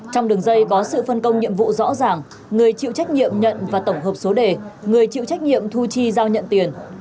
trong đường dây có sự phân công nhiệm vụ rõ ràng người chịu trách nhiệm nhận và tổng hợp số đề người chịu trách nhiệm thu chi giao nhận tiền